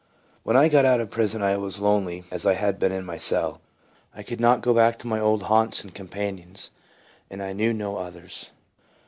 WHEN I got out of prison I was as lonely as I had been in my cell. I could not go back to my old haunts and companions, and I knew no others.